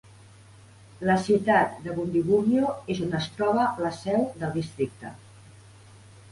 La ciutat de Bundibugyo és on es troba la seu del districte.